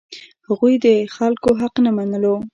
هغوی د خلکو حق نه منلو.